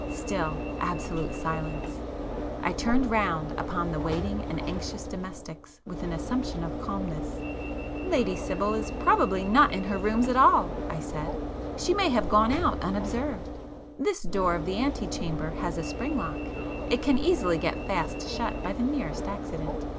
Still absolute silence. I turned round upon the waiting and anxious domestics with an assumption of calmness. "Lady Sibyl is probably not in her rooms at all;"—I said; "She may have gone out unobserved. This door of the ante chamber has a spring lock,—it can easily get fast shut by the merest accident.